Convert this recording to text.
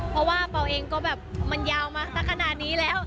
เพราะว่าเปล่าเองก็แบบมันยาวมาสักขนาดนี้แล้ว